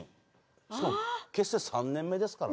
しかも、結成３年目ですから。